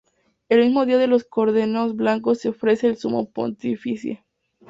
El mismo día los corderos blancos se ofrecen al Sumo Pontífice.